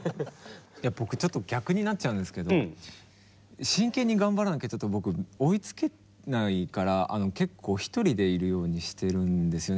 僕ちょっと逆になっちゃうんですけど真剣に頑張らなきゃちょっと僕追いつけないから結構一人でいるようにしてるんですよね